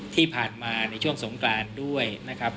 ที่ผ่านมาในช่วงสงกรานด้วยนะครับ